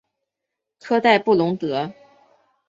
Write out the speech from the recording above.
科代布龙德。